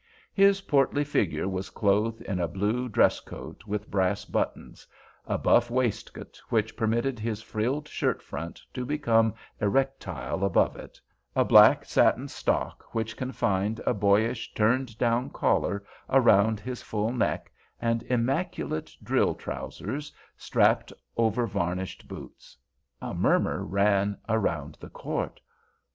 His portly figure was clothed in a blue dress coat with brass buttons, a buff waistcoat which permitted his frilled shirt front to become erectile above it, a black satin stock which confined a boyish turned down collar around his full neck, and immaculate drill trousers, strapped over varnished boots. A murmur ran round the court.